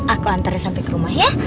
aku antarnya sampai ke rumah ya